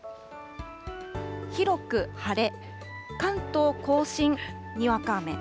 広く晴れ関東甲信にわか雨。